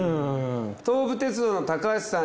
東武鉄道の高橋さん